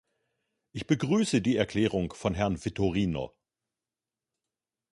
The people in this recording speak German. Ich begrüße die Erklärung von Herrn Vitorino.